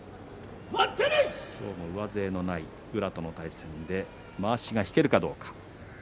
今日も上背のない宇良との対戦でまわしが引けるかどうか。